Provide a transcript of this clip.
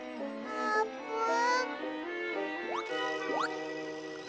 あーぷん。